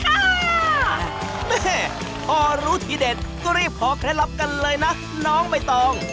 แม่พอรู้ทีเด็ดก็รีบขอเคล็ดลับกันเลยนะน้องใบตอง